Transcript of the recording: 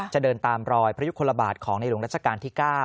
จะเดินตามรอยพระยุคลบาทของในหลวงรัชกาลที่๙